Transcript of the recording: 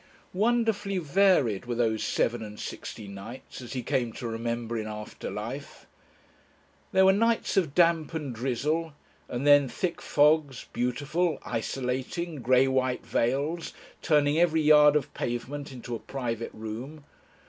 Wonderfully varied were those seven and sixty nights, as he came to remember in after life. There were nights of damp and drizzle, and then thick fogs, beautiful, isolating, grey white veils, turning every yard of pavement into a private room.